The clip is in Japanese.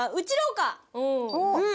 うん。